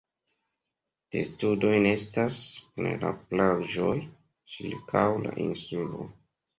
Testudoj nestas en la plaĝoj ĉirkaŭ la insulo.